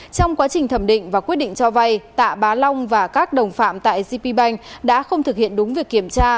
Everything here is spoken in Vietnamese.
trong quá trình thẩm định và quyết định cho vay tạ bá long và các đồng phạm tại gp bank đã không thực hiện đúng việc kiểm tra